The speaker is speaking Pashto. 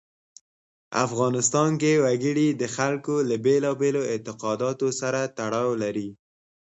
افغانستان کې وګړي د خلکو له بېلابېلو اعتقاداتو سره تړاو لري.